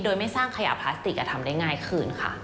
โดยไม่สร้างขยะพลาสติกทำได้ง่ายขึ้นค่ะ